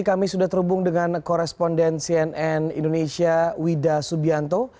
kami sudah terhubung dengan koresponden cnn indonesia wida subianto